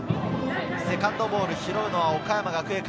セカンドボールを拾うのは岡山学芸館。